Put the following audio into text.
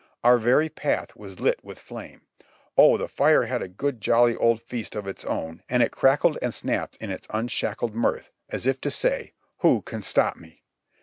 Our very path was lit with flame! O, the fire had a good jolly old feast of its own, and it crackled and snapped in its unshackled mirth, as if to say: ''Who can stop me?"